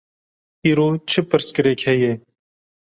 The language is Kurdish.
Îro çi pirsgirêk heye?